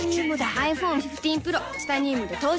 ｉＰｈｏｎｅ１５Ｐｒｏ チタニウムで登場